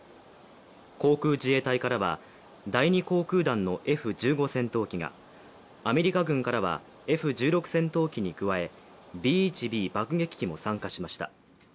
航空自衛隊からは第２航空団のＦ−１５戦闘機が、アメリカ軍からはＦ−１６戦闘機に加えＢ−１Ｂ爆撃機も参加しました。